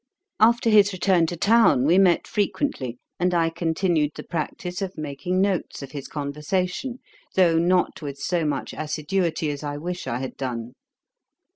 After his return to town, we met frequently, and I continued the practice of making notes of his conversation, though not with so much assiduity as I wish I had done.